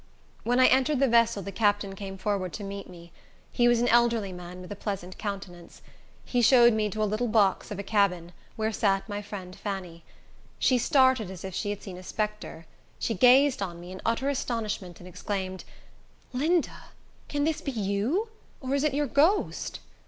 When I entered the vessel the captain came forward to meet me. He was an elderly man, with a pleasant countenance. He showed me to a little box of a cabin, where sat my friend Fanny. She started as if she had seen a spectre. She gazed on me in utter astonishment, and exclaimed, "Linda, can this be you? or is it your ghost?"